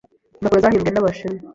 Impapuro zahimbwe nabashinwa.